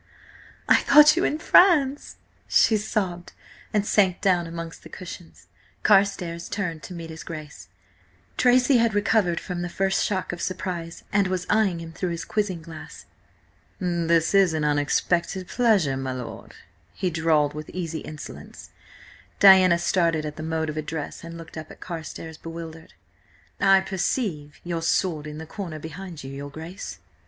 "I thought you in France!" she sobbed, and sank down amongst the cushions. Carstares turned to meet his Grace Tracy had recovered from the first shock of surprise and was eyeing him though his quizzing glass. "This is an unexpected pleasure, my lord," he drawled with easy insolence. Diana started at the mode of address and looked up at Carstares, bewildered. "I perceive your sword in the corner behind you, your Grace!"